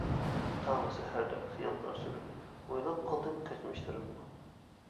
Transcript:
تاڭ سەھەردە خىياللار سۈرۈپ، ئويلاپ قالدىم كەچمىشلىرىمنى.